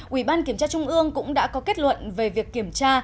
ủy ban kiểm tra trung ương cũng đã có kết luận về việc kiểm tra